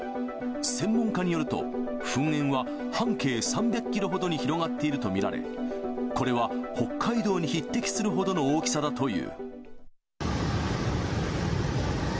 専門家によると、噴煙は半径３００キロほどに広がっていると見られ、これは北海道に匹敵するほどの大きさだという。